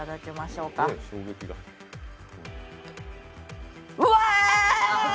うわ！！